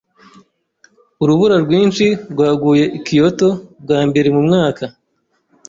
Urubura rwinshi rwaguye i Kyoto bwa mbere mu myaka.